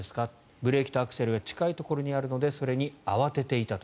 ブレーキとアクセルが近いところにあるのでそれに慌てていたと。